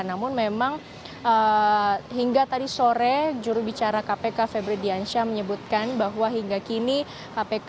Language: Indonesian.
namun memang hingga tadi sore jurubicara kpk febri diansyah menyebutkan bahwa hingga kini kpk